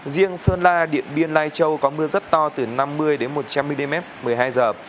riêng sơn la điện biên lai châu có mưa rất to từ năm mươi đến một trăm linh mm một mươi hai giờ